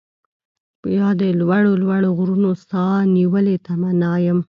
يا د لوړو لوړو غرونو، ساه نيولې تمنا يم